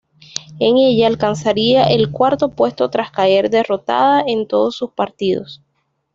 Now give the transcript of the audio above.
En ella alcanzaría el cuarto puesto tras caer derrotada en todos sus partidos.